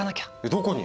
どこに？